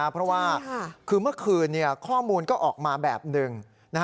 เพราะว่าคือเมื่อคืนข้อมูลก็ออกมาแบบหนึ่ง